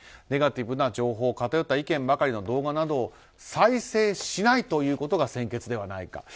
ネガティブな情報偏った意見ばかりの動画などを再生しないということが先決ではないか。